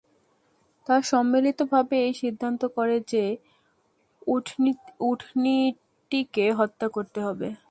তারা সম্মিলিতভাবে এই সিদ্ধান্ত করে যে, উটনীটিকে হত্যা করতে হবে।